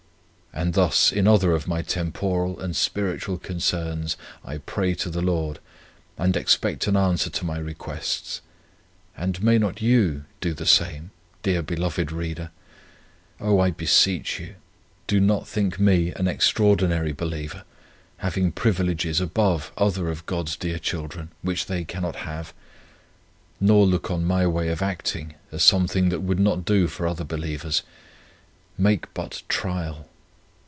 And thus in other of my temporal and spiritual concerns I pray to the Lord, and expect an answer to my requests; and may not you do the same, dear believing reader? Oh! I beseech you, do not think me an extraordinary believer, having privileges above other of God's dear children, which they cannot have; nor look on my way of acting as something that would not do for other believers. Make but trial!